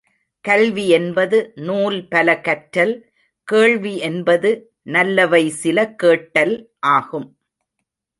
கல்வி என்பது நூல் பல கற்றல் கேள்வி என்பது நல்லவை சில கேட்டல் ஆகும்.